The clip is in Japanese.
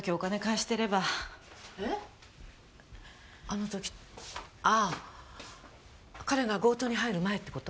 あの時ああ彼が強盗に入る前って事？